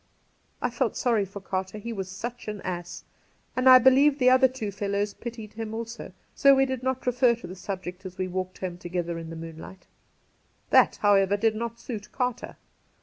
I felt sorry for Carter, he was such an ass ; and I believe the other two fellows pitied him also ; so we did not refer to the subject as we walked home together in the moonlight. That, however, did not suit Carter.